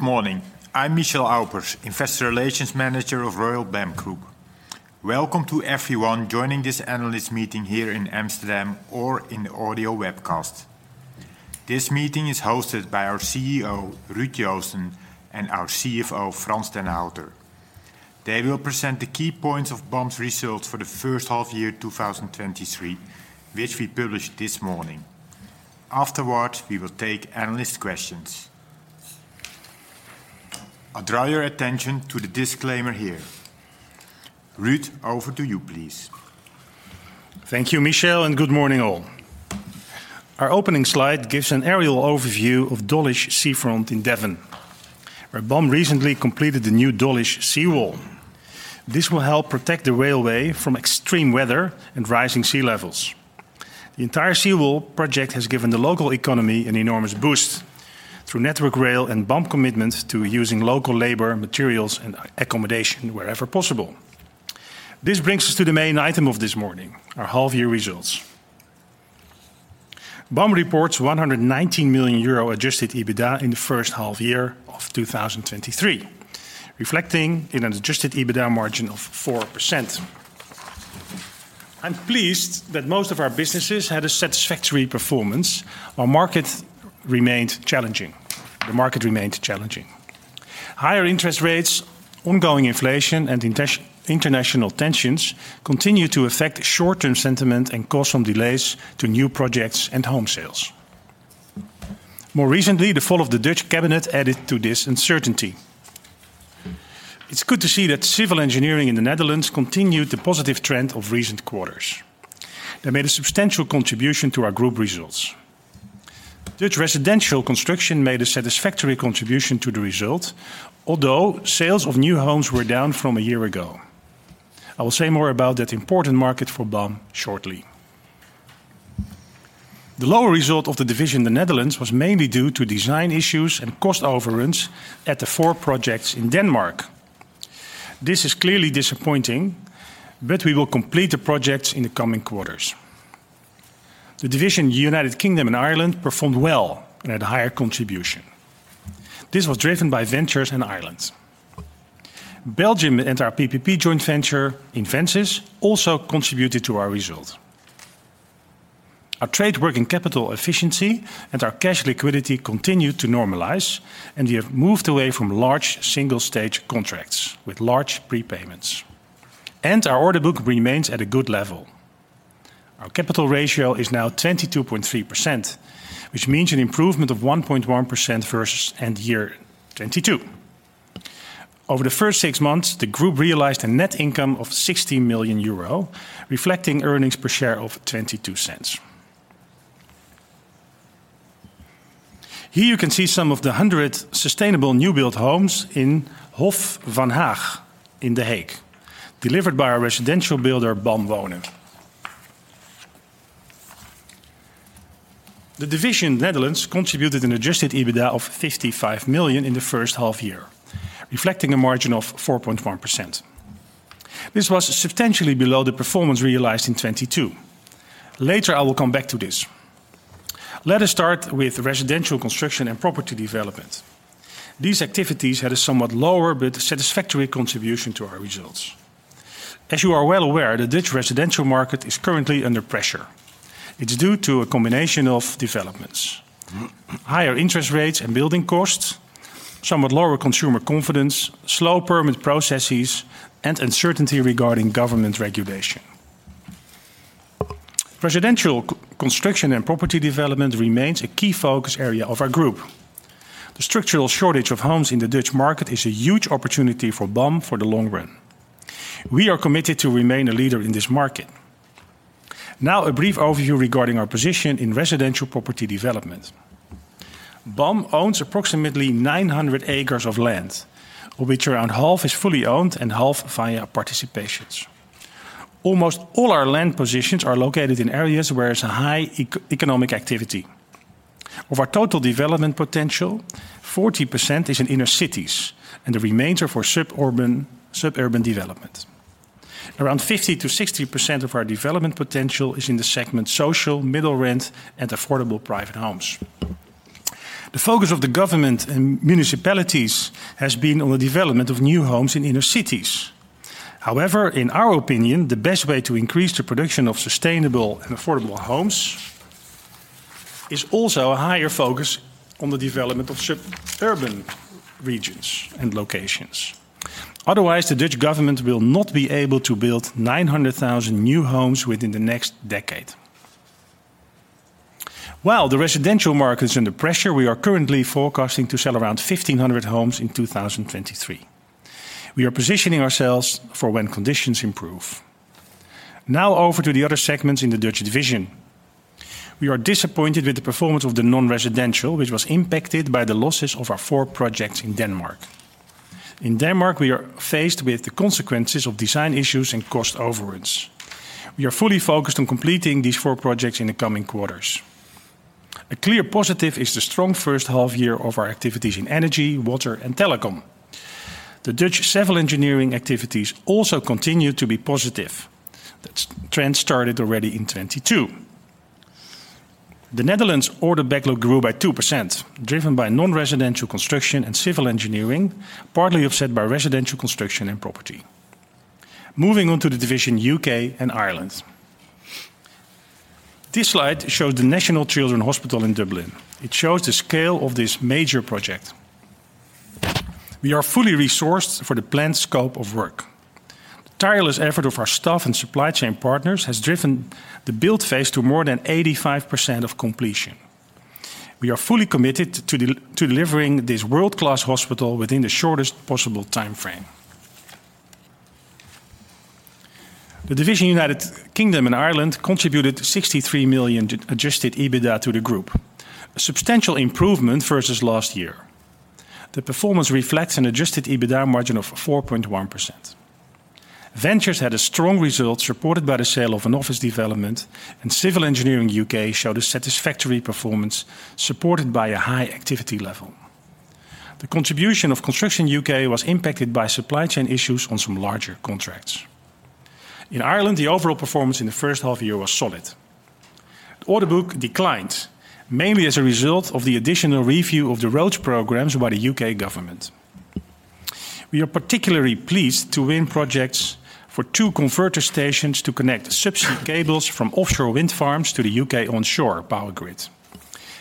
Good morning, I'm Michel Aupers, Investor Relations Manager of Royal BAM Group. Welcome to everyone joining this Analyst Meeting here in Amsterdam or in the audio webcast. This meeting is hosted by our CEO, Ruud Joosten, and our CFO, Frans den Houter. They will present the key points of BAM's results for the first half year 2023, which we published this morning. Afterwards, we will take analyst questions. I'll draw your attention to the disclaimer here. Ruud, over to you, please. Thank you, Michel. Good morning all. Our opening slide gives an aerial overview of Dawlish seafront in Devon, where BAM recently completed the new Dawlish sea wall. This will help protect the railway from extreme weather and rising sea levels. The entire seawall project has given the local economy an enormous boost through Network Rail and BAM commitment to using local labor, materials, and accommodation wherever possible. This brings us to the main item of this morning, our half-year results. BAM reports 119 million euro Adjusted EBITDA in the first half year of 2023, reflecting an Adjusted EBITDA margin of 4%. I'm pleased that most of our businesses had a satisfactory performance, while the market remained challenging. Higher interest rates, ongoing inflation, and international tensions continue to affect short-term sentiment and cause some delays to new projects and home sales. More recently, the fall of the Dutch cabinet added to this uncertainty. It's good to see that civil engineering in the Netherlands continued the positive trend of recent quarters. They made a substantial contribution to our group results. Dutch residential construction made a satisfactory contribution to the result, although sales of new homes were down from a year ago. I will say more about that important market for BAM shortly. The lower result of the division in the Netherlands was mainly due to design issues and cost overruns at the 4 projects in Denmark. This is clearly disappointing. We will complete the projects in the coming quarters. The division, United Kingdom and Ireland, performed well and had a higher contribution. This was driven by ventures in Ireland. Belgium and our PPP joint venture, Invesis, also contributed to our result. Our trade working capital efficiency and our cash liquidity continued to normalize. We have moved away from large single-stage contracts with large prepayments. Our order book remains at a good level. Our capital ratio is now 22.3%, which means an improvement of 1.1% versus end year 2022. Over the first six months, the group realized a net income of 60 million euro, reflecting earnings per share of 0.22. Here you can see some of the 100 sustainable new build homes in Hof van Haag, in The Hague, delivered by our residential builder, BAM Wonen. The division, Netherlands, contributed an Adjusted EBITDA of 55 million in the first half year, reflecting a margin of 4.1%. This was substantially below the performance realized in 2022. Later, I will come back to this. Let us start with residential construction and property development. These activities had a somewhat lower, but satisfactory contribution to our results. As you are well aware, the Dutch residential market is currently under pressure. It's due to a combination of developments: higher interest rates and building costs, somewhat lower consumer confidence, slow permit processes, and uncertainty regarding government regulation. Residential construction and property development remains a key focus area of our group. The structural shortage of homes in the Dutch market is a huge opportunity for BAM for the long run. We are committed to remain a leader in this market. A brief overview regarding our position in residential property development. BAM owns approximately 900 acres of land, of which around half is fully owned and half via participations. Almost all our land positions are located in areas where there's a high economic activity. Of our total development potential, 40% is in inner cities, and the remainder for suburban, suburban development. Around 50%-60% of our development potential is in the segment social, middle rent, and affordable private homes. The focus of the government and municipalities has been on the development of new homes in inner cities. However, in our opinion, the best way to increase the production of sustainable and affordable homes is also a higher focus on the development of suburban regions and locations. Otherwise, the Dutch government will not be able to build 900,000 new homes within the next decade. While the residential market is under pressure, we are currently forecasting to sell around 1,500 homes in 2023. We are positioning ourselves for when conditions improve. Over to the other segments in the Dutch division. We are disappointed with the performance of the non-residential, which was impacted by the losses of our four projects in Denmark. In Denmark, we are faced with the consequences of design issues and cost overruns. We are fully focused on completing these four projects in the coming quarters. A clear positive is the strong first half year of our activities in energy, water, and telecom. The Dutch civil engineering activities also continue to be positive. That trend started already in 2022. The Netherlands order backlog grew by 2%, driven by non-residential construction and civil engineering, partly offset by residential construction and property. Moving on to the division U.K. and Ireland. This slide shows the National Children's Hospital in Dublin. It shows the scale of this major project. We are fully resourced for the planned scope of work. The tireless effort of our staff and supply chain partners has driven the build phase to more than 85% of completion. We are fully committed to delivering this world-class hospital within the shortest possible time frame. The division, United Kingdom and Ireland, contributed 63 million Adjusted EBITDA to the group, a substantial improvement versus last year. The performance reflects an Adjusted EBITDA margin of 4.1%. Ventures had a strong result, supported by the sale of an office development. Civil engineering U.K. showed a satisfactory performance, supported by a high activity level. The contribution of construction U.K. was impacted by supply chain issues on some larger contracts. In Ireland, the overall performance in the first half year was solid. The order book declined, mainly as a result of the additional review of the roads programs by the U.K. government. We are particularly pleased to win projects for two converter stations to connect subsea cables from offshore wind farms to the U.K. onshore power grid.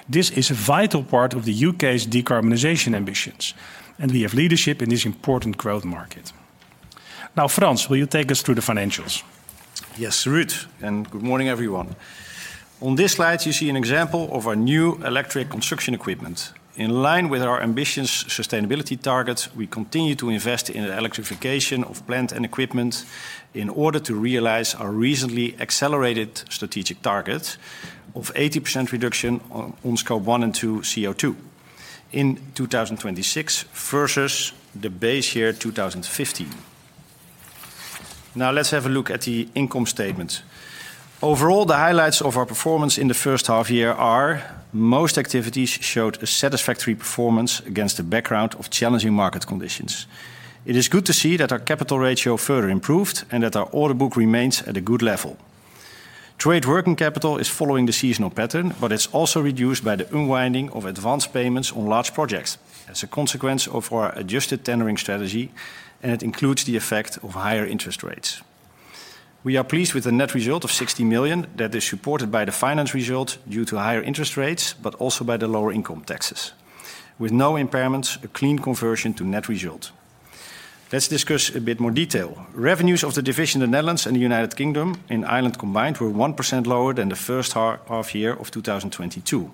This is a vital part of the U.K.'s decarbonization ambitions. We have leadership in this important growth market. Now, Frans, will you take us through the financials? Yes, Ruud, good morning, everyone. On this slide, you see an example of our new electric construction equipment. In line with our ambitious sustainability targets, we continue to invest in the electrification of plant and equipment in order to realize our recently accelerated strategic target of 80% reduction on Scope 1 and 2 CO2 in 2026 versus the base year, 2015. Now, let's have a look at the income statement. Overall, the highlights of our performance in the first half-year are: most activities showed a satisfactory performance against a background of challenging market conditions. It is good to see that our capital ratio further improved and that our order book remains at a good level. Trade working capital is following the seasonal pattern, but it's also reduced by the unwinding of advanced payments on large projects as a consequence of our adjusted tendering strategy, and it includes the effect of higher interest rates. We are pleased with the net result of 60 million that is supported by the finance result due to higher interest rates, but also by the lower income taxes. With no impairments, a clean conversion to net result. Let's discuss a bit more detail. Revenues of the division, the Netherlands and the United Kingdom and Ireland combined, were 1% lower than the first half year of 2022.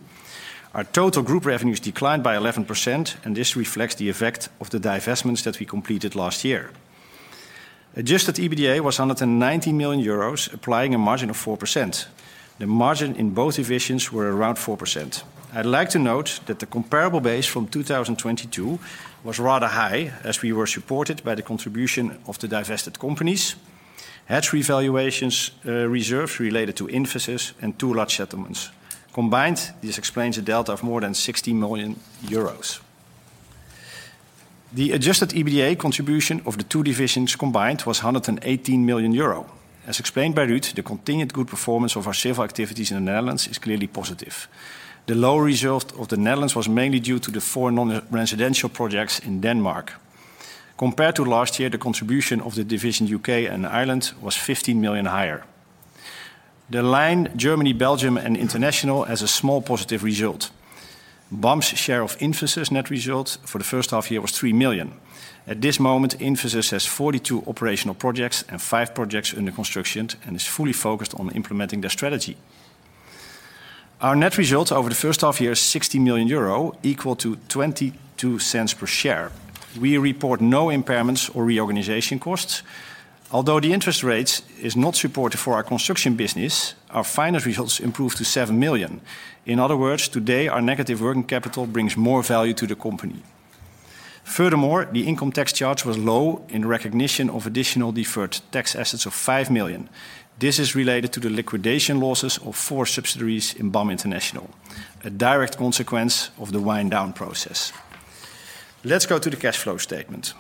Our total group revenues declined by 11%. This reflects the effect of the divestments that we completed last year. Adjusted EBITDA was under 90 million euros, applying a margin of 4%. The margin in both divisions were around 4%. I'd like to note that the comparable base from 2022 was rather high, as we were supported by the contribution of the divested companies, hedge revaluations, reserves related to Mphasis, and two large settlements. Combined, this explains a delta of more than 60 million euros. The Adjusted EBITDA contribution of the two divisions combined was 118 million euro. As explained by Ruud, the continued good performance of our civil activities in the Netherlands is clearly positive. The low result of the Netherlands was mainly due to the four non-residential projects in Denmark. Compared to last year, the contribution of the division, U.K. and Ireland, was 15 million higher. The line, Germany, Belgium, and International, has a small positive result. BAM's share of Mphasis net results for the first half year was 3 million. At this moment, Mphasis has 42 operational projects and five projects under construction and is fully focused on implementing their strategy. Our net results over the first half year is 60 million euro, equal to 0.22 per share. We report no impairments or reorganization costs. Although the interest rate is not supported for our construction business, our finance results improved to 7 million. In other words, today, our negative working capital brings more value to the company. Furthermore, the income tax charge was low in recognition of additional deferred tax assets of 5 million. This is related to the liquidation losses of four subsidiaries in BAM International, a direct consequence of the wind down process. Let's go to the cash flow statement.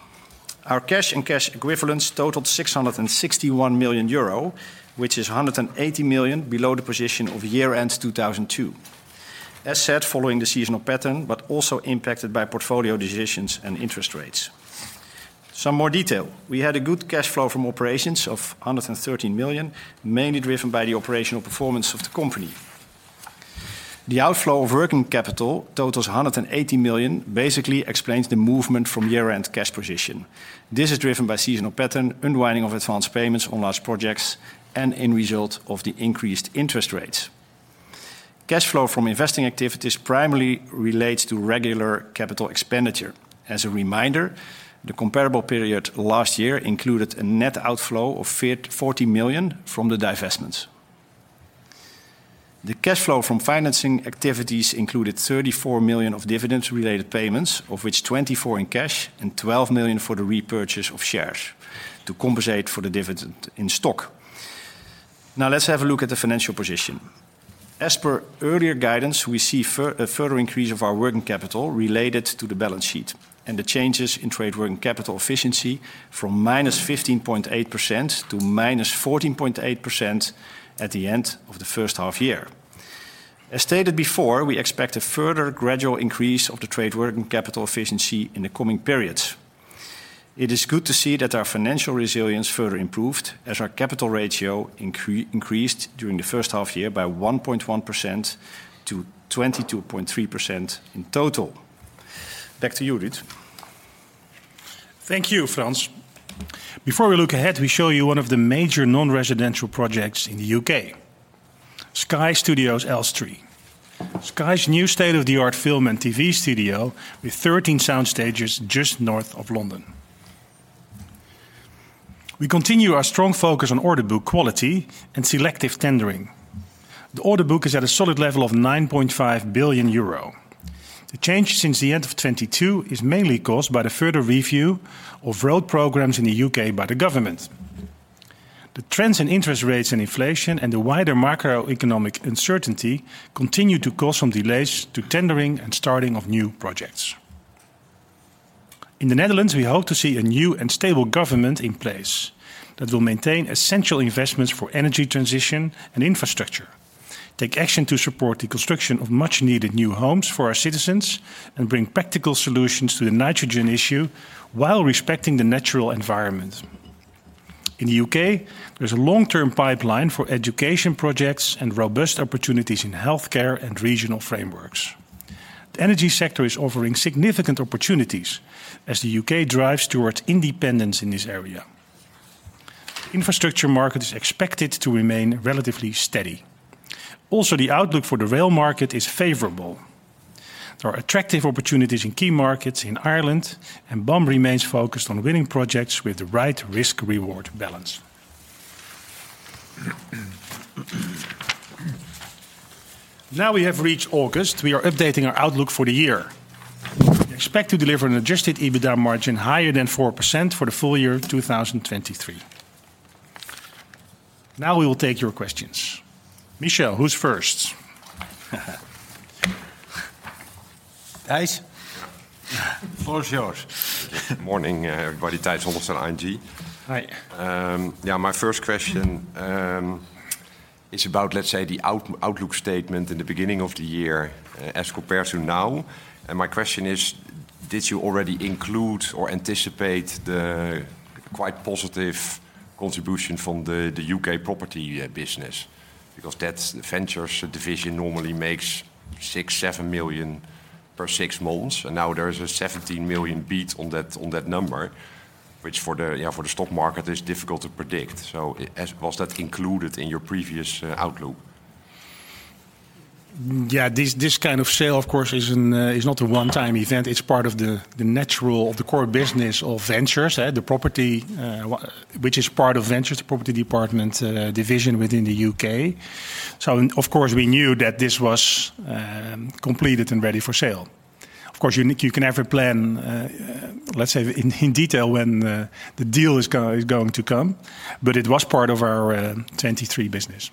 Our cash and cash equivalents totaled 661 million euro, which is 180 million below the position of year-end 2002. As said, following the seasonal pattern, but also impacted by portfolio decisions and interest rates. Some more detail: we had a good cash flow from operations of 113 million, mainly driven by the operational performance of the company. The outflow of working capital totals 180 million, basically explains the movement from year-end cash position. This is driven by seasonal pattern, unwinding of advanced payments on large projects, and end result of the increased interest rates. Cash flow from investing activities primarily relates to regular capital expenditure. As a reminder, the comparable period last year included a net outflow of 14 million from the divestments. The cash flow from financing activities included 34 million of dividends-related payments, of which 24 in cash and 12 million for the repurchase of shares to compensate for the dividend in stock. Now, let's have a look at the financial position. As per earlier guidance, we see a further increase of our working capital related to the balance sheet and the changes in trade working capital efficiency from -15.8% to -14.8% at the end of the first half year. As stated before, we expect a further gradual increase of the trade working capital efficiency in the coming periods. It is good to see that our capital ratio increased during the first half year by 1.1% to 22.3% in total. Back to you, Ruud. Thank you, Frans. Before we look ahead, we show you one of the major non-residential projects in the U.K., Sky Studios Elstree. Sky's new state-of-the-art film and TV studio, with 13 sound stages just north of London. We continue our strong focus on order book quality and selective tendering. The order book is at a solid level of 9.5 billion euro. The change since the end of 2022 is mainly caused by the further review of road programs in the U.K. by the government. The trends in interest rates and inflation, and the wider macroeconomic uncertainty, continue to cause some delays to tendering and starting of new projects. In the Netherlands, we hope to see a new and stable government in place, that will maintain essential investments for energy transition and infrastructure, take action to support the construction of much needed new homes for our citizens, and bring practical solutions to the nitrogen issue, while respecting the natural environment. In the U.K., there's a long-term pipeline for education projects and robust opportunities in healthcare and regional frameworks. The energy sector is offering significant opportunities as the U.K. drives towards independence in this area. Infrastructure market is expected to remain relatively steady. Also, the outlook for the rail market is favorable. There are attractive opportunities in key markets in Ireland, and BAM remains focused on winning projects with the right risk-reward balance. Now we have reached August, we are updating our outlook for the year. We expect to deliver an Adjusted EBITDA margin higher than 4% for the full year 2023. Now, we will take your questions. Michel, who's first? Tijs, the floor is yours. Good morning, everybody. Tijs Hollestelle, ING. Hi. Yeah, my first question is about, let's say, the outlook statement in the beginning of the year, as compared to now. My question is: did you already include or anticipate the quite positive contribution from the U.K. property business? Because that ventures division normally makes 6 million, 7 million per six months, and now there is a 17 million beat on that, on that number, which for the you know, for the stock market, is difficult to predict. Was that included in your previous outlook? Yeah, this, this kind of sale, of course, is not a one-time event, it's part of the, the natural of the core business of ventures, the property, w- which is part of ventures, the property department, division within the U.K. Of course, we knew that this was completed and ready for sale. Of course, you, you can never plan, let's say, in, in detail, when, the deal is go- is going to come, but it was part of our 2023 business.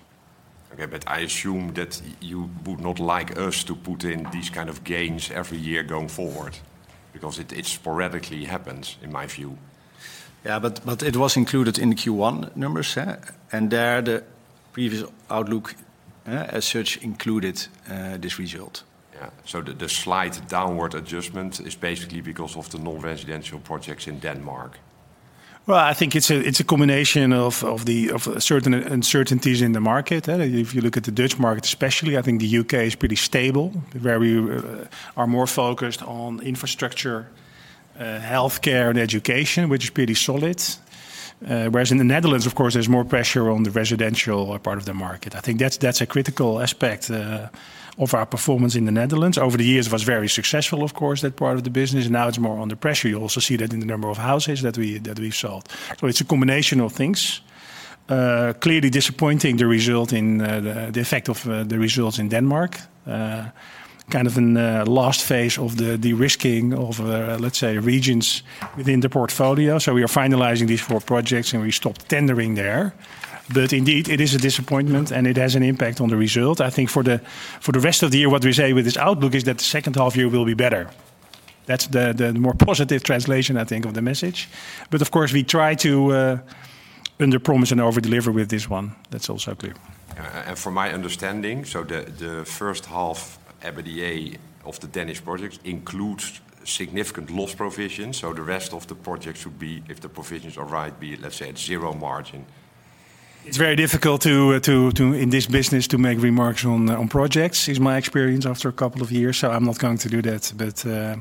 Okay, I assume that you would not like us to put in these kind of gains every year going forward, because it, it sporadically happens, in my view. Yeah, but, but it was included in the Q1 numbers, and there, the previous outlook, as such, included this result. Yeah. The, the slight downward adjustment is basically because of the non-residential projects in Denmark? Well, I think it's a, it's a combination of, of the, of certain uncertainties in the market. If you look at the Dutch market especially, I think the U.K. is pretty stable, where we are more focused on infrastructure, healthcare, and education, which is pretty solid. Whereas in the Netherlands, of course, there's more pressure on the residential part of the market. I think that's, that's a critical aspect of our performance in the Netherlands. Over the years, it was very successful, of course, that part of the business, now it's more under pressure. You also see that in the number of houses that we, that we've sold. It's a combination of things. Clearly disappointing, the result in the, the effect of the results in Denmark. kind of in a last phase of the de-risking of, let's say, regions within the portfolio, we are finalizing these four projects, and we stopped tendering there. Indeed, it is a disappointment, and it has an impact on the result. I think for the, for the rest of the year, what we say with this outlook is that the second half year will be better. That's the, the more positive translation, I think, of the message. Of course, we try to underpromise and overdeliver with this one. That's also clear. Yeah. From my understanding, the first half EBITDA of the Danish projects includes significant loss provisions, the rest of the project should be, if the provisions are right, let's say, at zero margin. It's very difficult to, to, to, in this business, to make remarks on, on projects, is my experience after a couple of years, so I'm not going to do that.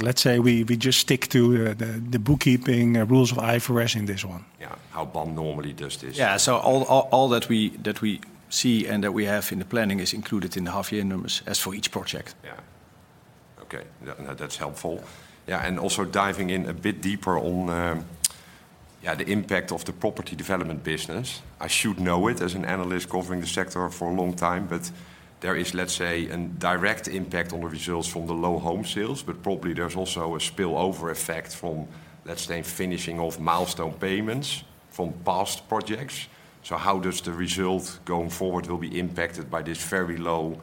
Let's say we, we just stick to the bookkeeping rules of IFRS in this one. Yeah, how BAM normally does this. Yeah. all, all, all that we, that we see and that we have in the planning is included in the half year numbers, as for each project. Yeah. Okay. Yeah, no, that's helpful. Yeah and also diving in a bit deeper on, yeah, the impact of the property development business. I should know it, as an analyst covering the sector for a long time, but there is, let's say, a direct impact on the results from the low home sales, but probably there's also a spillover effect from, let's say, finishing off milestone payments from past projects. How does the results going forward will be impacted by this very low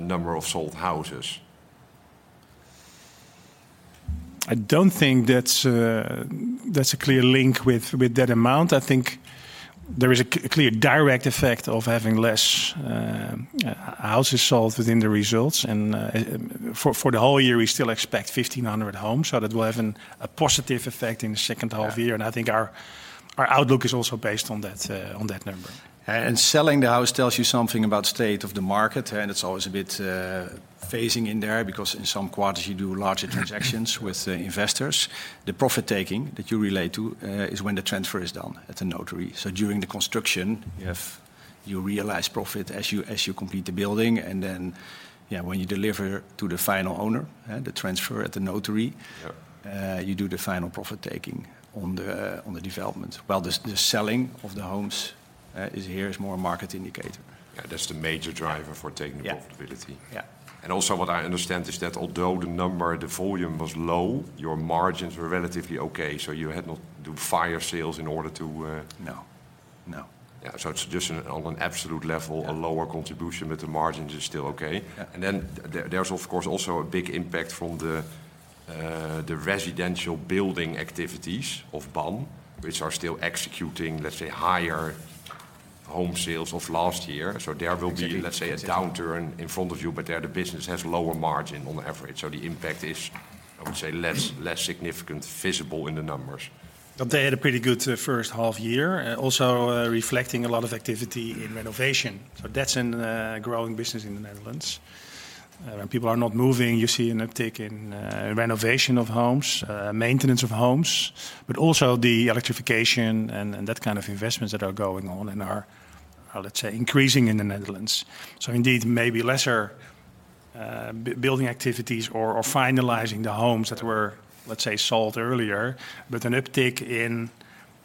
number of sold houses? I don't think that's, that's a clear link with, with that amount. I think there is a clear direct effect of having less houses sold within the results. For, for the whole year, we still expect 1,500 homes, so that will have an, a positive effect in the second half year. Yeah. I think our, our outlook is also based on that, on that number. Selling the house tells you something about state of the market, and it's always a bit phasing in there, because in some quarters you do larger transactions with investors. The profit-taking that you relate to, is when the transfer is done at the notary. During the construction, if you realize profit as you, as you complete the building, and then, yeah, when you deliver to the final owner, the transfer at the notary. You do the final profit-taking on the, on the development, while the selling of the homes, is more a market indicator. Yeah. That's the major driver for taking the profitability. Yeah. Yeah. Also what I understand is that although the number, the volume was low, your margins were relatively okay, so you had not do fire sales in order to. No. No. Yeah, it's just on an absolute level, a lower contribution, but the margins is still okay? Yeah. Then there, there's of course, also a big impact from the, the residential building activities of BAM, which are still executing, let's say, higher home sales of last year. So there will be- Yes... let's say, a downturn in front of you. There the business has lower margin on average. The impact is, I would say. Yes... less, less significant visible in the numbers. They had a pretty good first half year, also reflecting a lot of activity in renovation. That's an growing business in the Netherlands. When people are not moving, you see an uptick in renovation of homes, maintenance of homes, but also the electrification and, and that kind of investments that are going on and are, let's say, increasing in the Netherlands. Indeed, maybe lesser building activities or, or finalizing the homes that were, let's say, sold earlier, but an uptick in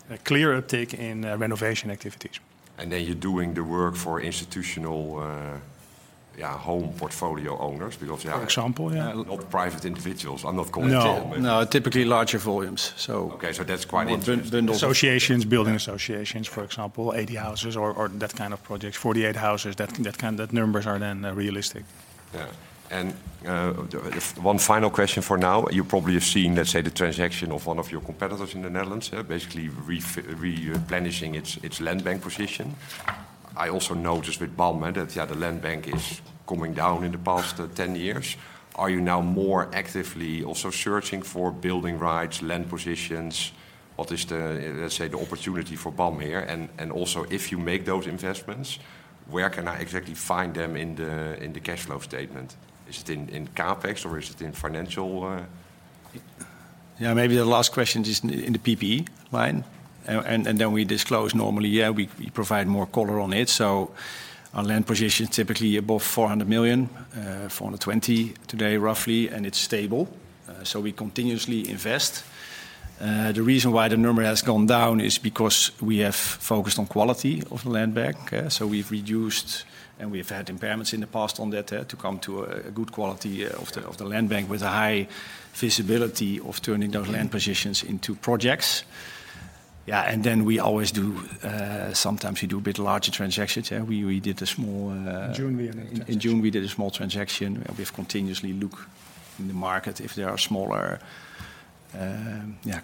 a clear uptick in renovation activities. Then you're doing the work for institutional, yeah, home portfolio owners because they are- For example, yeah.... not private individuals. I'm not going into it, but- No, no, typically larger volumes, so. Okay, that's quite interesting. The associations, building associations, for example. Yeah... 80 houses or, or that kind of projects, 48 houses, that, that kind, that numbers are then, realistic. Yeah. One final question for now: you probably have seen, let's say, the transaction of one of your competitors in the Netherlands, basically replenishing its, its land bank position. I also noticed with BAM, that, the land bank is coming down in the past 10 years. Are you now more actively also searching for building rights, land positions? What is the, let's say, the opportunity for BAM here? Also, if you make those investments, where can I exactly find them in the, in the cash flow statement? Is it in, in CapEx or is it in financial... Yeah, maybe the last question is in the PPE line, and then we disclose normally, yeah, we provide more color on it. Our land position is typically above 400 million, 420 million today, roughly, and it's stable. We continuously invest. The reason why the number has gone down is because we have focused on quality of the land bank. We've reduced and we have had impairments in the past on that to come to a good quality of the land bank with a high visibility of turning those land positions into projects. Yeah, then we always do, sometimes we do a bit larger transactions, yeah. We did a small. In June, we had a transaction. In June, we did a small transaction, and we continuously look in the market if there are smaller,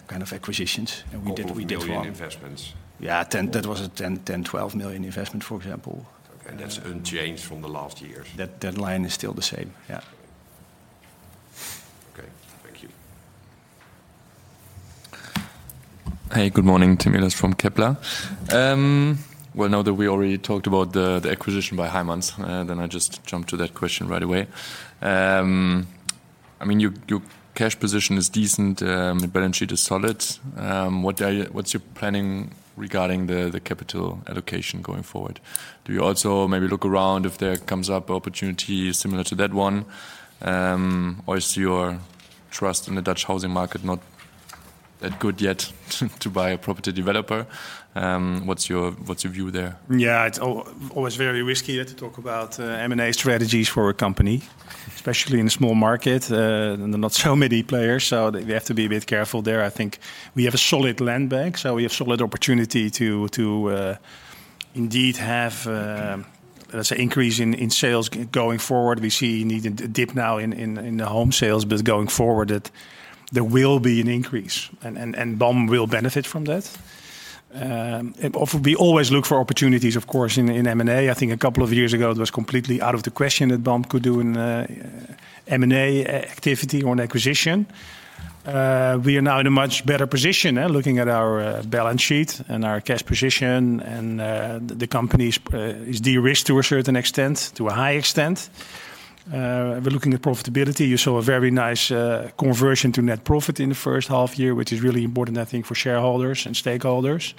kind of acquisitions. We did, we did one. 2 million investments. Yeah, 10. That was a 10 million, 10 million, 12 million investment, for example. Okay. That's unchanged from the last years? That, that line is still the same, yeah. Okay. Thank you. Hey, good morning. Tim Ehlers from Kepler. Well, now that we already talked about the, the acquisition by Heijmans, I'll just jump to that question right away. I mean, your, your cash position is decent, the balance sheet is solid. What's your planning regarding the, the capital allocation going forward? Do you also maybe look around if there comes up opportunity similar to that one, or is your trust in the Dutch housing market not that good yet to buy a property developer? What's your, what's your view there? Yeah, it's always very risky to talk about M&A strategies for a company, especially in a small market, and not so many players, so we have to be a bit careful there. I think we have a solid land bank, so we have solid opportunity to indeed have, let's say, increase in sales going forward. We see indeed a dip now in the home sales, but going forward, that there will be an increase, and BAM will benefit from that. We always look for opportunities, of course, in M&A. I think a couple of years ago, it was completely out of the question that BAM could do an M&A activity or an acquisition. We are now in a much better position, looking at our balance sheet and our cash position, and the company's is de-risked to a certain extent, to a high extent. We're looking at profitability. You saw a very nice conversion to net profit in the first half year, which is really important, I think, for shareholders and stakeholders.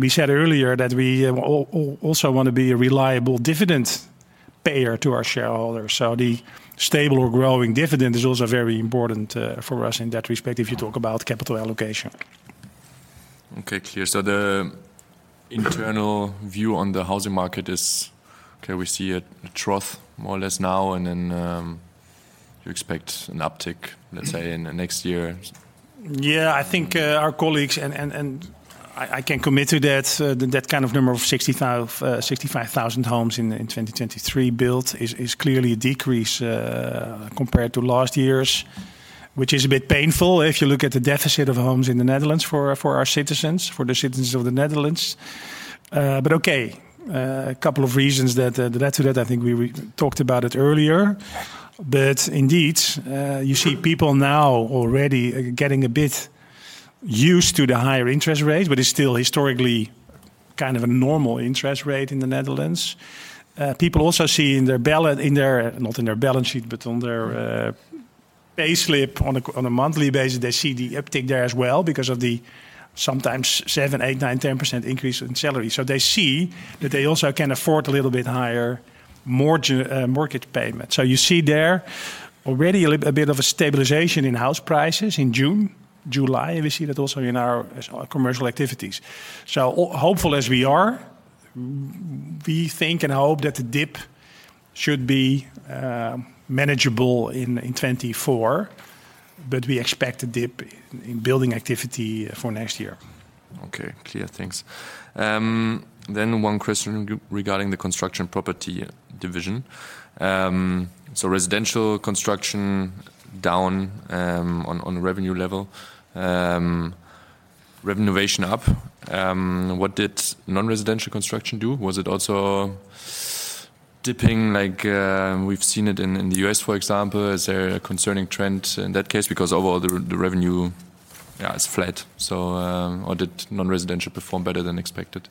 We said earlier that we also want to be a reliable dividend payer to our shareholders. The stable or growing dividend is also very important for us in that respect, if you talk about capital allocation. Okay, clear. The internal view on the housing market is, okay, we see a trough more or less now, and then, you expect an uptick, let's say, in the next year? Yeah, I think, our colleagues and, and, and I, I can commit to that, that, that kind of number of 65,000 homes in 2023 built is, is clearly a decrease, compared to last year's, which is a bit painful if you look at the deficit of homes in the Netherlands for our, for our citizens, for the citizens of the Netherlands. Okay, a couple of reasons that to that, I think we, we talked about it earlier. Indeed, you see people now already getting a bit used to the higher interest rate, but it's still historically kind of a normal interest rate in the Netherlands. People also see in their balance- in their... Not in their balance sheet, but on their payslip, on a monthly basis, they see the uptick there as well because of the sometimes 7%, 8%, 9%, 10% increase in salary. They see that they also can afford a little bit higher mortgage, mortgage payment. You see there already a bit of a stabilization in house prices in June, July, and we see that also in our, as our commercial activities. Hopeful as we are, we think and hope that the dip should be manageable in 2024, but we expect a dip in building activity for next year. Okay, clear. Thanks. One question regarding the construction property division. Residential construction down on, on revenue level, renovation up. What did non-residential construction do? Was it also dipping like we've seen it in, in the U.S., for example? Is there a concerning trend in that case? Because overall, the, the revenue, yeah, is flat, so. Did non-residential perform better than expected?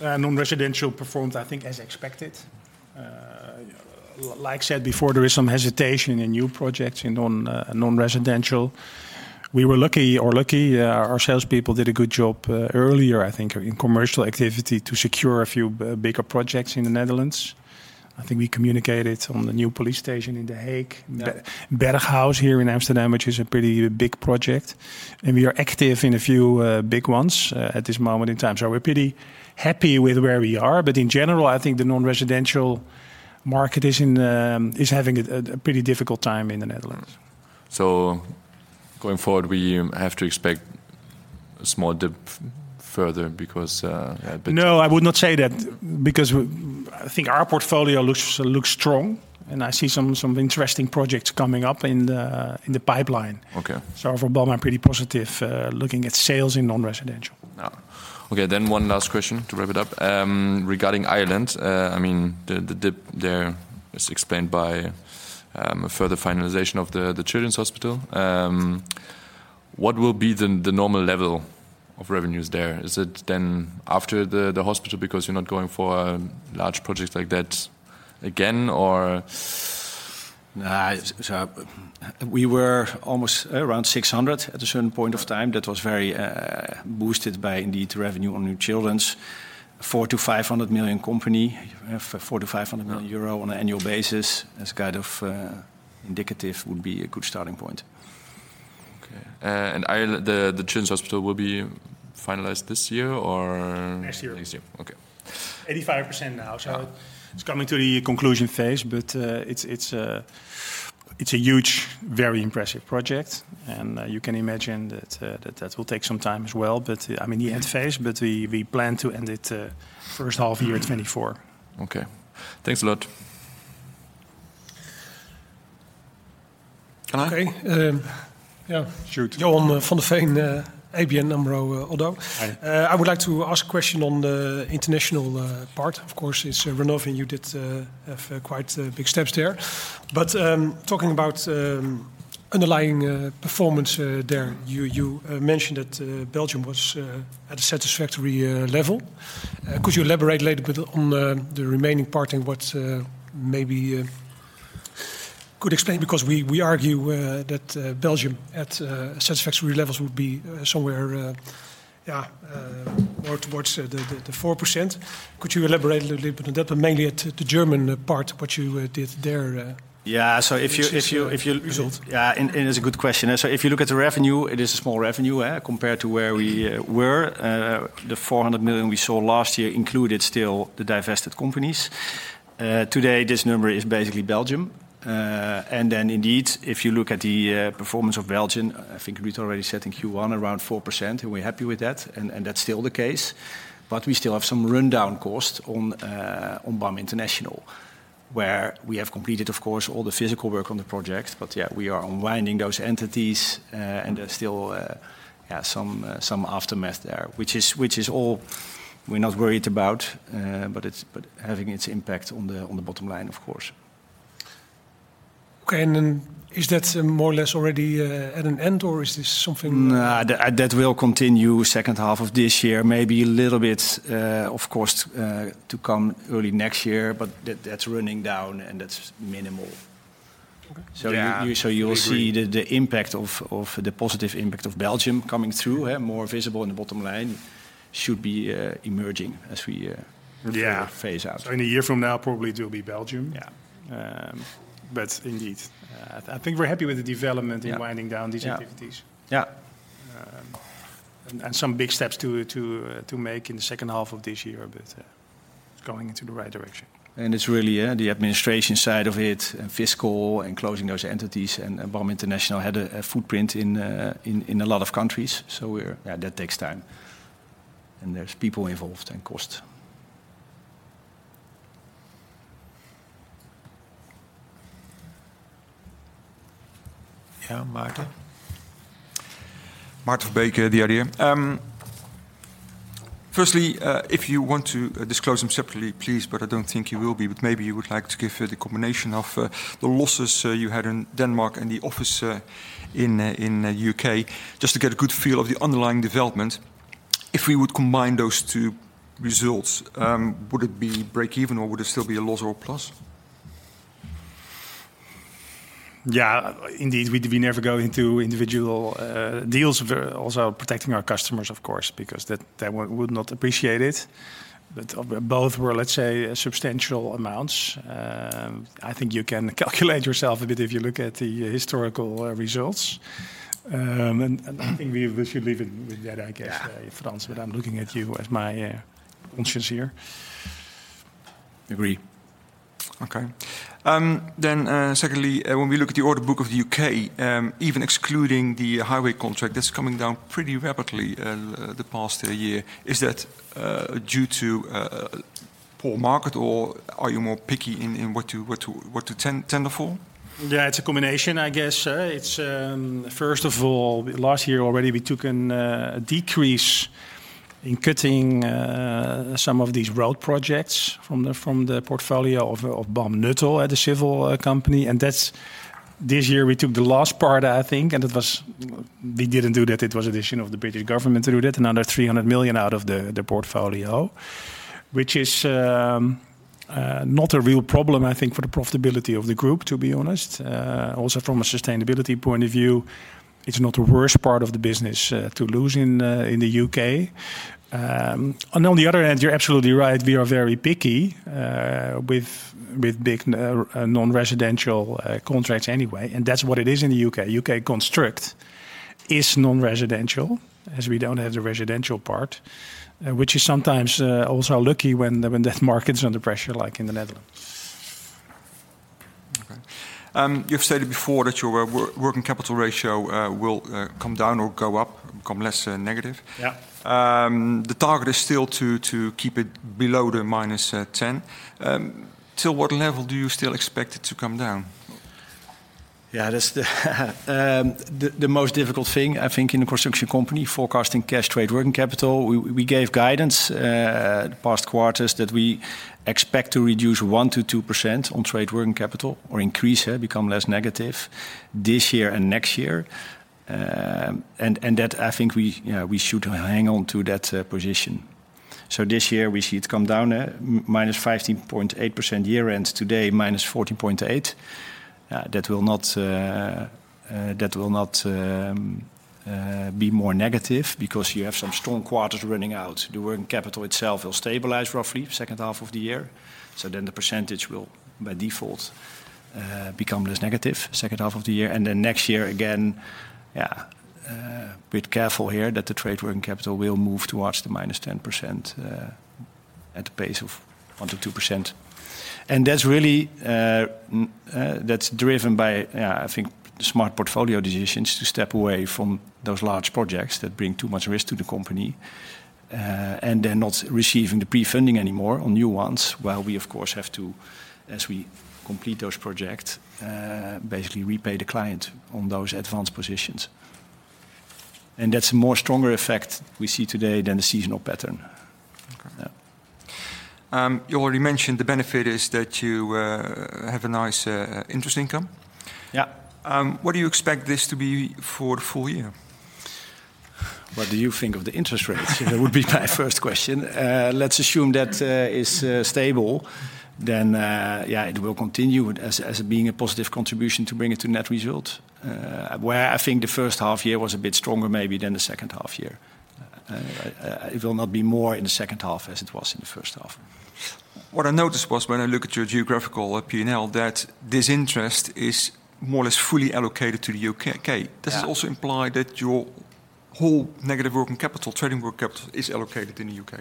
Non-residential performed, I think, as expected. Like I said before, there is some hesitation in new projects in non, non-residential. We were lucky or lucky, our salespeople did a good job, earlier, I think, in commercial activity to secure a few, bigger projects in the Netherlands. I think we communicated on the new police station in The Hague. Yeah Berghaus here in Amsterdam, which is a pretty big project. We are active in a few big ones at this moment in time. We're pretty happy with where we are. In general, I think the non-residential market is in is having a a pretty difficult time in the Netherlands. going forward, we have to expect a small dip further because. No, I would not say that because I think our portfolio looks, looks strong, and I see some, some interesting projects coming up in the pipeline. Okay. Overall, I'm pretty positive, looking at sales in non-residential. Okay, one last question to wrap it up. Regarding Ireland, I mean, the dip there is explained by a further finalization of the Children's Hospital. What will be the normal level of revenues there? Is it then after the hospital because you're not going for large projects like that again, or...? We were almost around 600 at a certain point of time. That was very boosted by indeed revenue on New Children's. 400 million-500 million company, 400 million-500 million euro on an annual basis as kind of indicative would be a good starting point. Okay. Ireland, the Children's Hospital will be finalized this year or...? Next year. Next year. Okay. 85% now. Yeah. It's coming to the conclusion phase, but it's, it's a huge, very impressive project, and you can imagine that, that will take some time as well. I mean, the end phase, but we, we plan to end it first half year 2024. Okay. Thanks a lot. Can I? Okay, yeah. Shoot. Johan Van Der Veen, ABN AMRO, ODDO. Hi. I would like to ask a question on the international part. Of course, it's renovating, you did have quite big steps there. Talking about underlying performance there, you, you mentioned that Belgium was at a satisfactory level. Could you elaborate a little bit on the remaining part and what maybe could explain? Because we, we argue that Belgium at satisfactory levels would be somewhere yeah more towards the 4%. Could you elaborate a little bit on that, but mainly at the German part, what you did there? Yeah. if you- Results Yeah, it's a good question. If you look at the revenue, it is a small revenue compared to where we were. The 400 million we saw last year included still the divested companies. Today, this number is basically Belgium. Then indeed, if you look at the performance of Belgium, I think we'd already said in Q1, around 4%, and we're happy with that, and that's still the case. We still have some rundown costs on BAM International, where we have completed, of course, all the physical work on the project. Yeah, we are unwinding those entities, and there's still, yeah, some aftermath there, which is all we're not worried about, but it's having its impact on the bottom line, of course. Okay, is that more or less already, at an end or is this something- Nah, that, that will continue second half of this year, maybe a little bit, of course, to come early next year, but that's running down and that's minimal. Okay. So you- Yeah. I agree.... you will see the, the impact of, of the positive impact of Belgium coming through, more visible in the bottom line should be, emerging as we. Yeah... phase out. In a year from now, probably it will be Belgium. Yeah. Indeed, I think we're happy with the development... Yeah in winding down these activities. Yeah.... and some big steps to make in the second half of this year, but going into the right direction. It's really, yeah, the administration side of it, and fiscal, and closing those entities, and BAM International had a footprint in a lot of countries, so we're... Yeah, Maarten? Maarten Verbeek, The Idea. Firstly, if you want to disclose them separately, please, but I don't think you will be, but maybe you would like to give the combination of the losses you had in Denmark and the office in U.K., just to get a good feel of the underlying development. If we would combine those two results, would it be break even or would it still be a loss or a plus? Yeah, indeed, we, we never go into individual deals. We're also protecting our customers, of course, because they would not appreciate it. Both were, let's say, substantial amounts. I think you can calculate yourself a bit if you look at the historical results. I think we should leave it with that, I guess. Yeah. Frans, but I'm looking at you as my conscience here. Agree. Okay. Secondly, when we look at the order book of the U.K., even excluding the highway contract, that's coming down pretty rapidly, the past year. Is that due to poor market, or are you more picky in what you, what to, what to tender for? Yeah, it's a combination, I guess. First of all, last year already, we took a decrease in cutting some of these road projects from the portfolio of BAM Nuttall, at the civil company. This year we took the last part, I think, and it was- we didn't do that, it was a decision of the British government to do that, another 300 million out of the portfolio. Which is not a real problem, I think, for the profitability of the group, to be honest. Also from a sustainability point of view, it's not the worst part of the business to lose in the U.K. On the other hand, you're absolutely right, we are very picky with, with big non-residential contracts anyway, and that's what it is in the U.K. U.K construct is non-residential, as we don't have the residential part, which is sometimes also lucky when the, when that market's under pressure, like in the Netherlands. Okay. You've stated before that your working capital ratio will come down or go up, become less negative. Yeah. The target is still to, to keep it below the -10. To what level do you still expect it to come down? Yeah, that's the, the most difficult thing, I think, in a construction company, forecasting cash trade working capital. We, we gave guidance, the past quarters, that we expect to reduce 1%-2% on trade working capital, or increase, become less negative this year and next year. That, I think we should hang on to that position. This year we see it come down, -15.8% year end, today, -14.8%. That will not be more negative, because you have some strong quarters running out. The working capital itself will stabilize roughly second half of the year, so then the percentage will, by default, become less negative second half of the year. Then next year, again, bit careful here, that the Trade working capital will move towards the -10%, at a pace of 1%-2%. That's really, that's driven by, I think smart portfolio decisions to step away from those large projects that bring too much risk to the company, and then not receiving the pre-funding anymore on new ones, while we of course have to, as we complete those projects, basically repay the client on those advanced positions. That's a more stronger effect we see today than the seasonal pattern. Okay. Yeah. You already mentioned the benefit is that you have a nice interest income? Yeah. What do you expect this to be for the full year? What do you think of the interest rates? That would be my first question. Let's assume that it's stable, it will continue as, as being a positive contribution to bring it to net result. Where I think the first half year was a bit stronger, maybe, than the second half year. It will not be more in the second half as it was in the first half. What I noticed was, when I look at your geographical P&L, that this interest is more or less fully allocated to the U.K. Yeah. Does it also imply that your whole negative working capital, Trade working capital, is allocated in the U.K?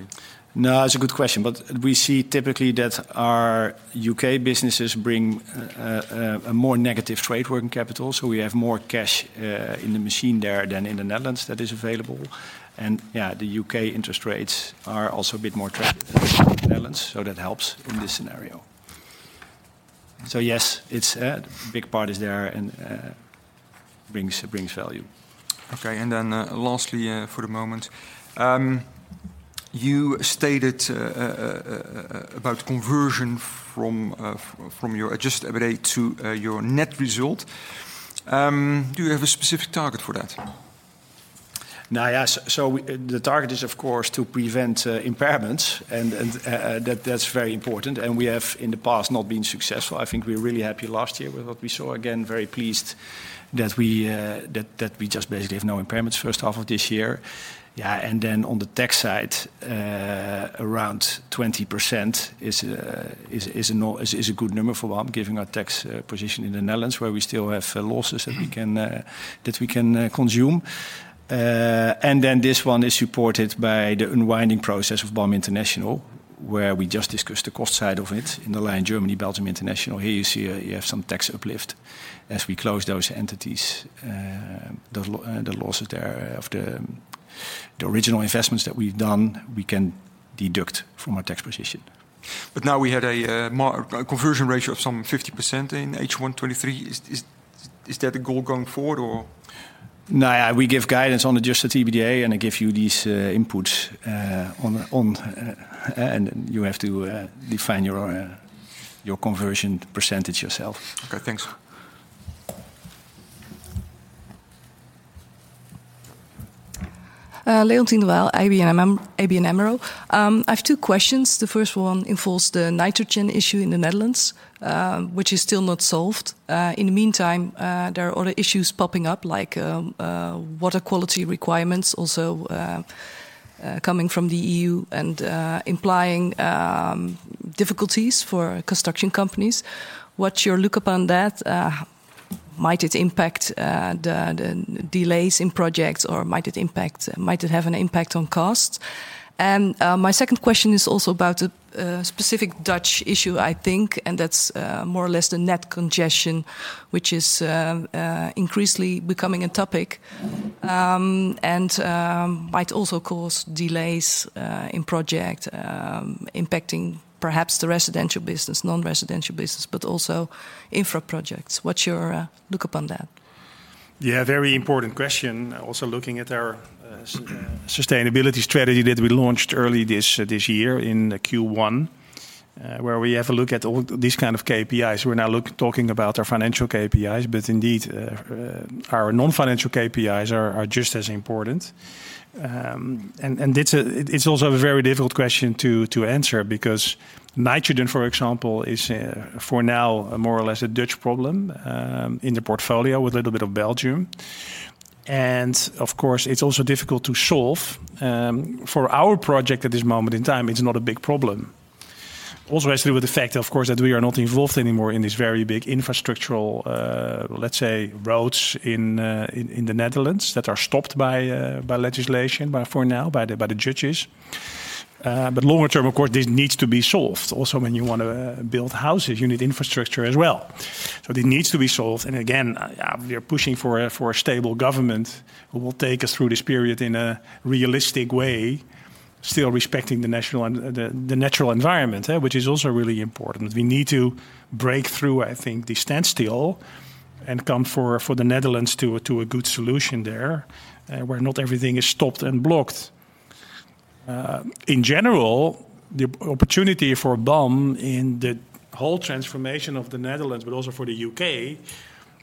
It's a good question, but we see typically that our U.K. businesses bring a more negative trade working capital, so we have more cash in the machine there than in the Netherlands, that is available. Yeah, the U.K. interest rates are also a bit more attractive than the Netherlands, so that helps in this scenario. Yes, it's a big part is there, and brings, brings value. Okay, then, lastly, for the moment, you stated, about conversion from, from your Adjusted EBITDA to, your net result. Do you have a specific target for that? Yes, the target is, of course, to prevent impairments, and that's very important, and we have in the past not been successful. I think we're really happy last year with what we saw. Again, very pleased that we just basically have no impairments first half of this year. On the tax side, around 20% is a good number for BAM, given our tax position in the Netherlands, where we still have losses that we can consume. This one is supported by the unwinding process of BAM International-... where we just discussed the cost side of it in the line Germany, Belgium, International. Here you see, you have some tax uplift as we close those entities. The losses there of the original investments that we've done, we can deduct from our tax position. Now we had a conversion ratio of some 50% in H1 2023. Is, is, is that a goal going forward or? No, we give guidance on the just the EBITDA, and I give you these inputs on, on, and you have to define your, your conversion % yourself. Okay, thanks. Leontien de Waal, ABN AMRO, ABN AMRO. I have two questions. The first one involves the nitrogen issue in the Netherlands, which is still not solved. In the meantime, there are other issues popping up, like water quality requirements also coming from the E.U. and implying difficulties for construction companies. What's your look upon that? Might it impact the delays in projects, or might it have an impact on costs? My second question is also about a specific Dutch issue, I think, and that's more or less the network congestion, which is increasingly becoming a topic and might also cause delays in project, impacting perhaps the residential business, non-residential business, but also infra projects. What's your look upon that? Yeah, very important question. Also, looking at our sustainability strategy that we launched early this, this year in Q1, where we have a look at all these kind of KPIs. We're now talking about our financial KPIs, but indeed, our non-financial KPIs are just as important. It's a, it's also a very difficult question to, to answer because nitrogen, for example, is for now, more or less a Dutch problem in the portfolio with a little bit of Belgium. Of course, it's also difficult to solve. For our project at this moment in time, it's not a big problem. Also, has to do with the fact, of course, that we are not involved anymore in this very big infrastructural, let's say, roads in, in the Netherlands that are stopped by legislation, but for now, by the, by the judges. Long term, of course, this needs to be solved. Also, when you want to build houses, you need infrastructure as well. This needs to be solved, and again, we are pushing for a, for a stable government who will take us through this period in a realistic way, still respecting the national and the natural environment, which is also really important. We need to break through, I think, the standstill and come for, for the Netherlands to a, to a good solution there, where not everything is stopped and blocked. In general, the opportunity for BAM in the whole transformation of the Netherlands, but also for the U.K.,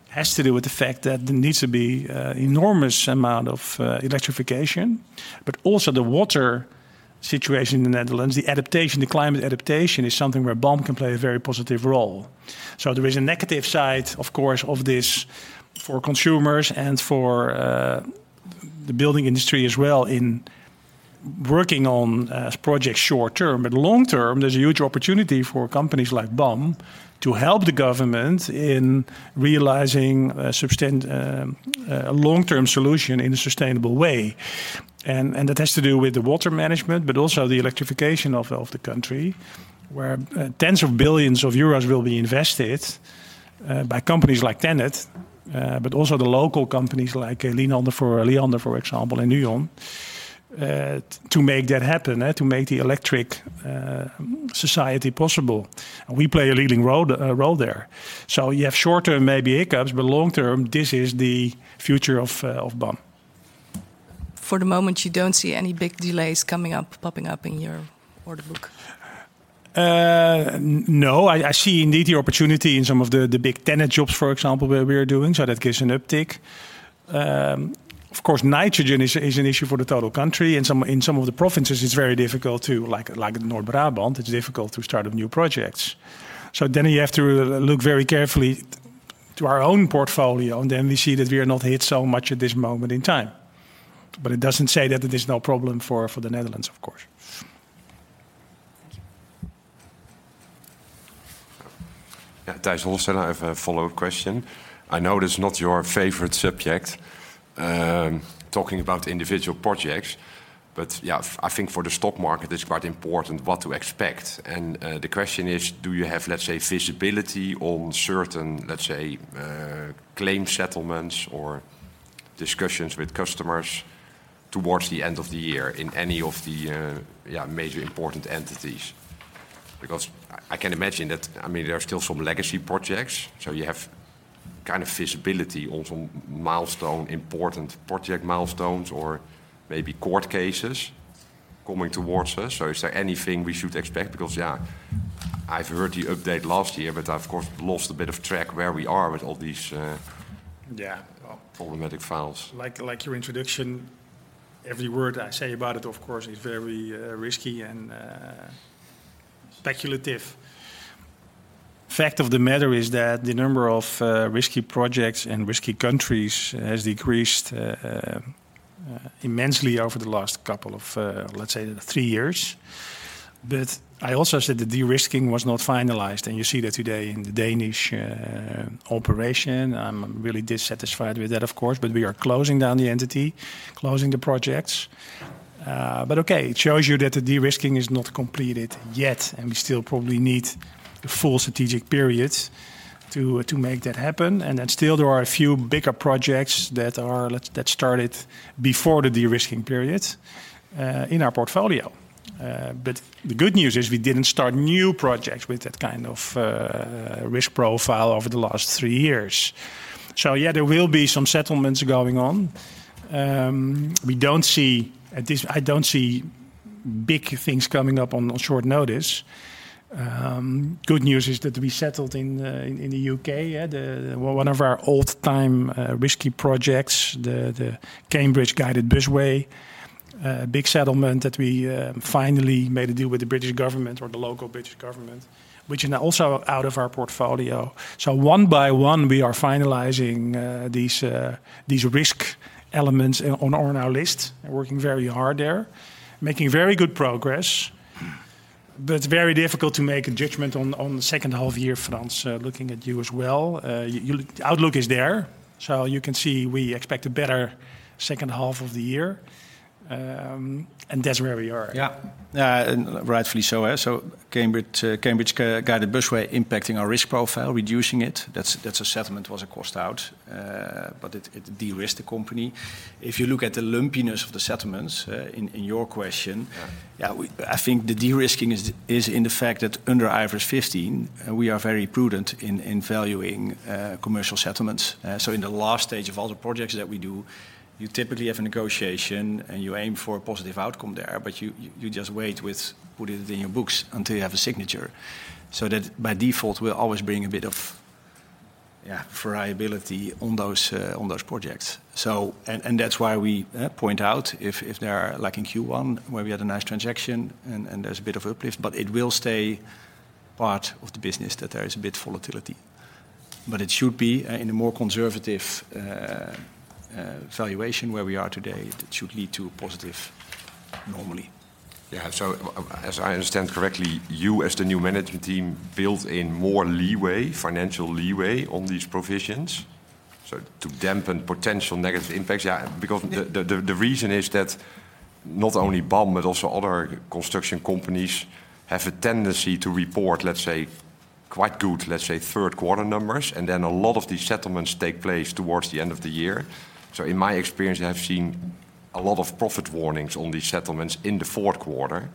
has to do with the fact that there needs to be a enormous amount of electrification, but also the water situation in the Netherlands, the adaptation, the climate adaptation is something where BAM can play a very positive role. There is a negative side, of course, of this, for consumers and for the building industry as well in working on projects short term, but long term, there's a huge opportunity for companies like BAM to help the government in realizing a long-term solution in a sustainable way. That has to do with the water management, but also the electrification of the country, where EUR 10s of billions will be invested by companies like TenneT, but also the local companies like Liander, for example, and Nuon, to make that happen, to make the electric society possible. We play a leading role there. You have short-term maybe hiccups, but long term, this is the future of BAM. For the moment, you don't see any big delays coming up, popping up in your order book? No, I, I see indeed the opportunity in some of the big TenneT jobs, for example, where we are doing. That gives an uptick. Of course, nitrogen is an issue for the total country. In some of the provinces, it's very difficult to like North Brabant, it's difficult to start up new projects. Then you have to look very carefully to our own portfolio. Then we see that we are not hit so much at this moment in time. It doesn't say that it is no problem for the Netherlands, of course. Thank you. Yeah, Tijs Hollestelle. I have a follow-up question. I know this is not your favorite subject, talking about individual projects, but yeah, I think for the stock market, it's quite important what to expect. The question is: Do you have, let's say, visibility on certain, let's say, claim settlements or discussions with customers towards the end of the year in any of the major important entities? I can imagine that, I mean, there are still some legacy projects, you have kind of visibility on some milestone, important project milestones or maybe court cases coming towards us. Is there anything we should expect? I've heard the update last year, but I've, of course, lost a bit of track where we are with all these. Yeah... problematic files. Like, like your introduction, every word I say about it, of course, is very risky and speculative. Fact of the matter is that the number of risky projects and risky countries has decreased immensely over the last couple of, let's say, three years. I also said the de-risking was not finalized, and you see that today in the Danish operation. I'm really dissatisfied with that, of course, but we are closing down the entity, closing the projects. Okay, it shows you that the de-risking is not completed yet, and we still probably need the full strategic period to, to make that happen. Still there are a few bigger projects that started before the de-risking period, in our portfolio. The good news is we didn't start new projects with that kind of risk profile over the last three years. Yeah, there will be some settlements going on. We don't see, at least I don't see big things coming up on short notice. Good news is that we settled in, in the U.K., yeah, the... One of our old time risky projects, the Cambridgeshire Guided Busway, big settlement that we finally made a deal with the British government or the local British government, which is now also out of our portfolio. One by one, we are finalizing these risk elements on our list, and working very hard there, making very good progress. It's very difficult to make a judgment on the second half year, Frans, looking at you as well. outlook is there, so you can see we expect a better second half of the year. That's where we are. Yeah. Rightfully so, eh? Cambridgeshire Guided Busway impacting our risk profile, reducing it, that's a settlement, was a cost out, but it de-risked the company. If you look at the lumpiness of the settlements in your question- Yeah. Yeah, we... I think the de-risking is, is in the fact that under IFRS 15, we are very prudent in, in valuing commercial settlements. In the last stage of all the projects that we do, you typically have a negotiation, and you aim for a positive outcome there, but you, you just wait with putting it in your books until you have a signature. That by default, we're always bringing a bit of, yeah, variability on those on those projects. That's why we point out if, if there are, like in Q1, where we had a nice transaction and, and there's a bit of uplift, but it will stay part of the business, that there is a bit volatility. It should be in a more conservative valuation where we are today, that should lead to a positive normally. Yeah. As I understand correctly, you, as the new management team, built in more leeway, financial leeway on these provisions, so to dampen potential negative impacts? Yeah, because the, the, the reason is that not only BAM, but also other construction companies, have a tendency to report, let's say, quite good, let's say, third quarter numbers, and then a lot of these settlements take place towards the end of the year. In my experience, I've seen a lot of profit warnings on these settlements in the fourth quarter.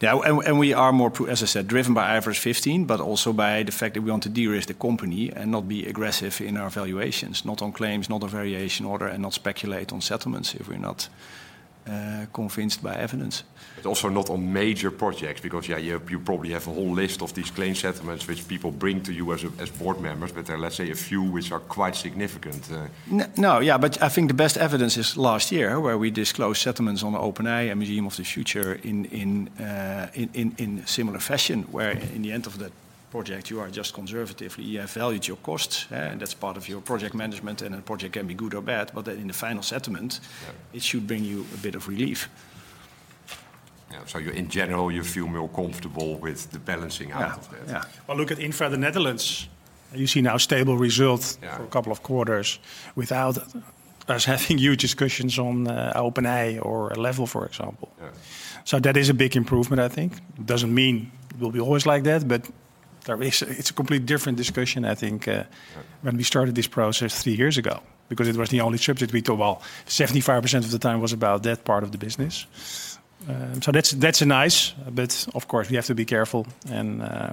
Yeah, and we are more, as I said, driven by IFRS 15, but also by the fact that we want to de-risk the company and not be aggressive in our valuations, not on claims, not on variation order, and not speculate on settlements if we're not convinced by evidence. Also not on major projects, because, yeah, you, you probably have a whole list of these claim settlements which people bring to you as, as board members, but there are, let's say, a few which are quite significant? No, yeah, but I think the best evidence is last year, where we disclosed settlements on the OpenIJ and Museum of the Future in, in, in, in, in similar fashion, where in the end of that project, you are just conservative, you have valued your costs, and that's part of your project management. A project can be good or bad, but in the final settlement... Yeah it should bring you a bit of relief. Yeah. You, in general, you feel more comfortable with the balancing out? Yeah. Yeah. Well, look at Infra Nederland. You see now stable results. Yeah... for a couple of quarters without us having huge discussions on OpenIJ or Level, for example. Yeah. That is a big improvement, I think. It doesn't mean it will be always like that, but it's a complete different discussion, I think. Yeah... when we started this process three years ago, because it was the only subject we talked about. 75% of the time was about that part of the business. That's, that's nice, but of course, we have to be careful and, Yeah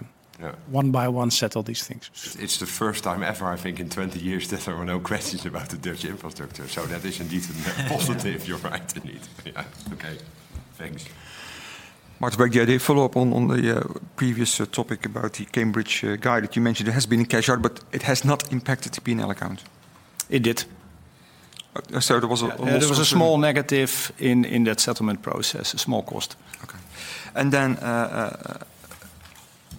one by one, settle these things. It's the first time ever, I think, in 20 years, that there are no questions about the Dutch infrastructure, so that is indeed a positive. You're right, indeed. Yeah. Okay, thanks. Maarten Verbeek, yeah, the follow-up on, on the previous topic about the Cambridge Guided. You mentioned it has been in cash out, but it has not impacted the P&L account? It did. There was a. There was a small negative in, in that settlement process, a small cost. Okay.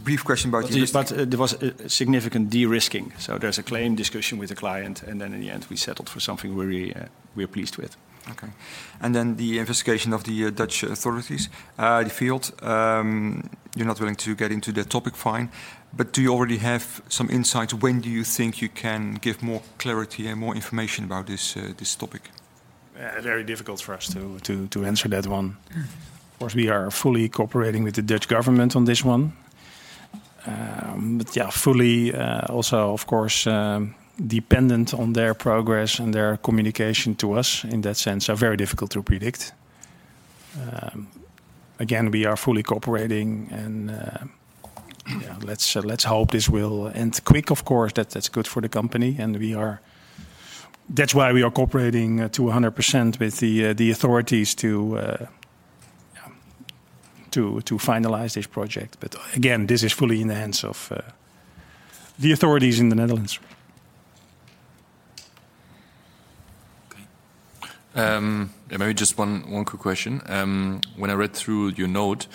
brief question about the... There was a significant de-risking, so there's a claim discussion with the client, and then in the end, we settled for something we are pleased with. Okay. Then the investigation of the Dutch authorities, the field, you're not willing to get into that topic, fine. Do you already have some insight? When do you think you can give more clarity and more information about this, this topic? Very difficult for us to, to, to answer that one. Of course, we are fully cooperating with the Dutch government on this one. Yeah, fully, also, of course, dependent on their progress and their communication to us in that sense, very difficult to predict. Again, we are fully cooperating, and yeah, let's, let's hope this will end quick, of course, that, that's good for the company, and we are... That's why we are cooperating to 100% with the authorities to, to, to finalize this project. Again, this is fully in the hands of the authorities in the Netherlands. Okay. Maybe just one, one quick question. When I read through your note,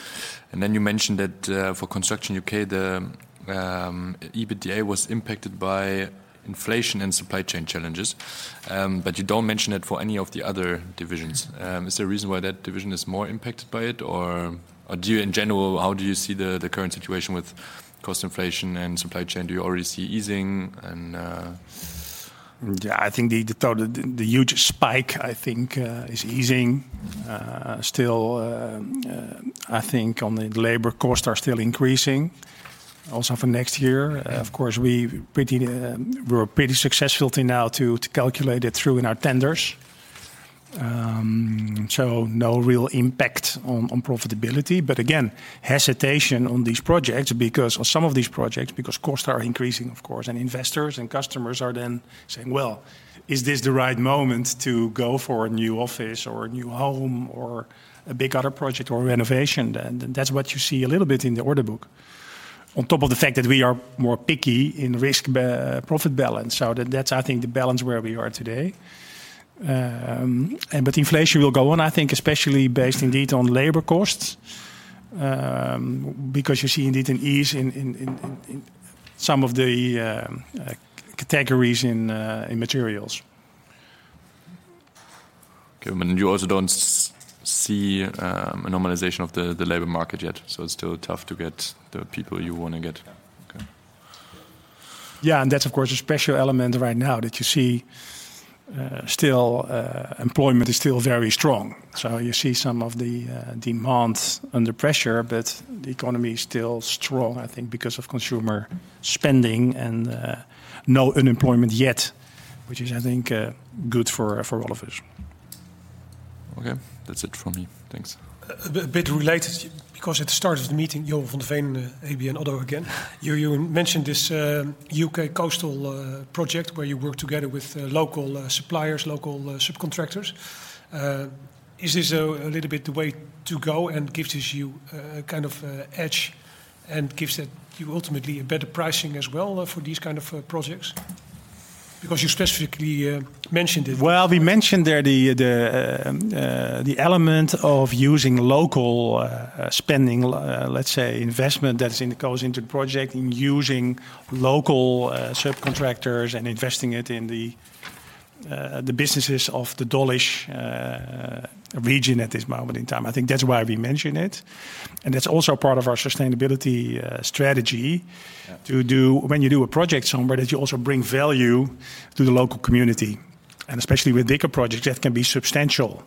and then you mentioned that for Construction U.K., the EBITDA was impacted by inflation and supply chain challenges, you don't mention it for any of the other divisions. Is there a reason why that division is more impacted by it? Or, do you... In general, how do you see the, the current situation with cost inflation and supply chain? Do you already see easing and? Yeah, I think the, the total, the, the huge spike, I think, is easing. Still, I think on the labor costs are still increasing also for next year. Of course, we're pretty successful till now to calculate it through in our tenders. No real impact on profitability, but again, hesitation on these projects because on some of these projects, because costs are increasing, of course, and investors and customers are then saying, "Well, is this the right moment to go for a new office or a new home or a big other project or renovation?" That's what you see a little bit in the order book. On top of the fact that we are more picky in risk-profit balance. That, that's, I think, the balance where we are today. Inflation will go on, I think, especially based indeed on labor costs, because you see indeed an ease in, in, in, in, in some of the categories in materials. Okay, you also don't see, a normalization of the, the labor market yet, so it's still tough to get the people you want to get? Yeah. Okay. Yeah, and that's of course, a special element right now that you see, still. Employment is still very strong. You see some of the demands under pressure, but the economy is still strong, I think, because of consumer spending and no unemployment yet, which is, I think, good for all of us. Okay, that's it from me. Thanks. A bit related, because at the start of the meeting, Johan Van Der Veen, ABN AMRO again, you mentioned this U.K. coastal project where you work together with local suppliers, local subcontractors. Is this a little bit the way to go and gives this you a kind of edge and gives it you ultimately a better pricing as well for these kind of projects? Because you specifically mentioned it. Well, we mentioned there the, the, the element of using local, spending, let's say, investment that is in, goes into project, in using local, subcontractors and investing it in the, the businesses of the Dawlish region at this moment in time. I think that's why we mention it, and that's also part of our sustainability, strategy. Yeah... to do, when you do a project somewhere, that you also bring value to the local community. Especially with bigger projects, that can be substantial.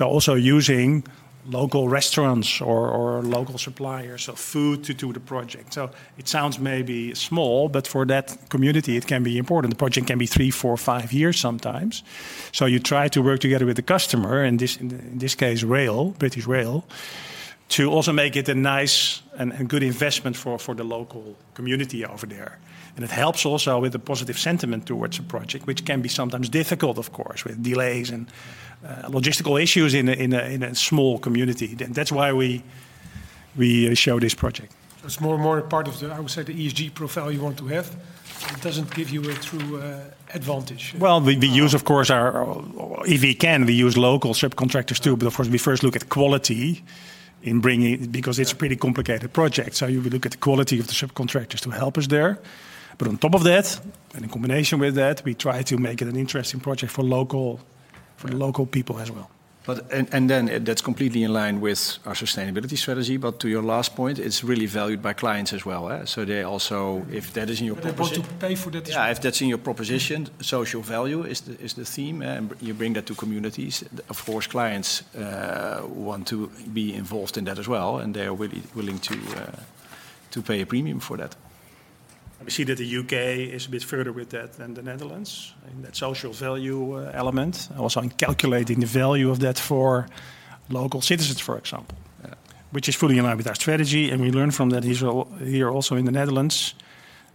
Also using local restaurants or, or local suppliers of food to do the project. It sounds maybe small, but for that community it can be important. The project can be three, four, five years sometimes. You try to work together with the customer, and this, in this case, rail, British Rail, to also make it a nice and, and good investment for, for the local community over there. It helps also with the positive sentiment towards the project, which can be sometimes difficult, of course, with delays and logistical issues in a, in a, in a small community. That's why we, we show this project. It's more and more a part of the, I would say, the ESG profile you want to have. It doesn't give you a true advantage? Well, we, we use, of course, our. If we can, we use local subcontractors, too, but of course, we first look at quality in bringing-. Yeah... because it's a pretty complicated project, so we look at the quality of the subcontractors to help us there. On top of that, and in combination with that, we try to make it an interesting project for local- Yeah for the local people as well. That's completely in line with our sustainability strategy. To your last point, it's really valued by clients as well, so they also, if that is in your proposition... They're prepared to pay for that? Yeah, if that's in your proposition, Social value is the, is the theme, and you bring that to communities, of course, clients, want to be involved in that as well, and they are willing to pay a premium for that. We see that the U.K. is a bit further with that than the Netherlands, in that social value element. Also, in calculating the value of that for local citizens, for example. Yeah... which is fully in line with our strategy, and we learn from that here, here also in the Netherlands,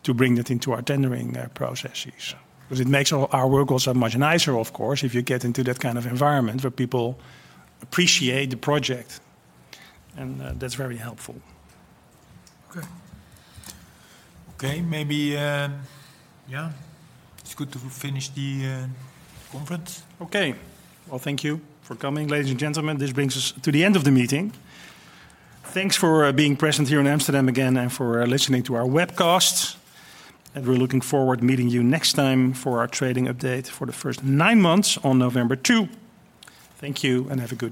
to bring that into our tendering, processes. Yeah. Because it makes our, our work also much nicer, of course, if you get into that kind of environment where people appreciate the project, and, that's very helpful. Okay. Okay, maybe, yeah, it's good to finish the conference. Okay. Well, thank you for coming, ladies and gentlemen. This brings us to the end of the meeting. Thanks for being present here in Amsterdam again and for listening to our webcast. We're looking forward to meeting you next time for our trading update for the first nine months on November 2. Thank you, and have a good day.